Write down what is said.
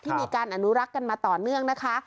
มีการอนุรักษ์กันมาต่อเนื่องนะคะ